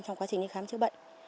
trong quá trình đi khám chữa bệnh